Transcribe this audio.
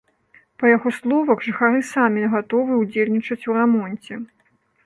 Па яго словах, жыхары самі гатовы ўдзельнічаць у рамонце.